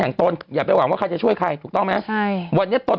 ตนอย่าไปหวังว่าใครจะช่วยใครถูกต้องไหมใช่วันนี้ตน